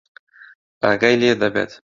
ئاگای لێ دەبێت.